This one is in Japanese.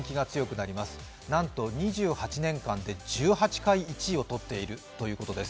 なんと２８年間で１８回、１位を取っているということです。